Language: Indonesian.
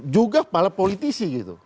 juga kepala politisi gitu